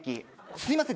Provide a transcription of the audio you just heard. すみません